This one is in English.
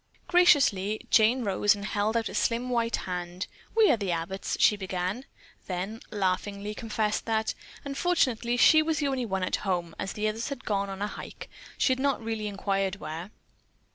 Graciously Jane rose and held out a slim white hand. "We are the Abbotts," she began; then, laughingly confessed that, unfortunately, she was the only one at home, as the others had gone on a hike she really had not inquired where.